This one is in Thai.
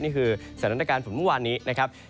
นี่คือสถานการณ์ฝนเมื่อวานนี้นะครับ